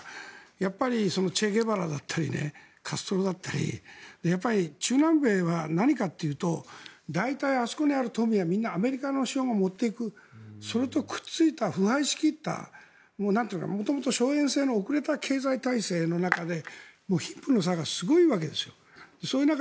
やっぱりチェ・ゲバラだったりカストロだったり中南米は何かというと大体、あそこにある富は大体アメリカの資本を持っていくそれとくっついた、腐敗しきったもともと荘園制の遅れた経済体制の中で貧富の差がすごいわけです。